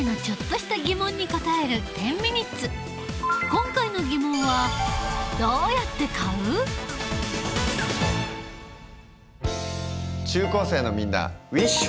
今回の疑問は中高生のみんなウィッシュ！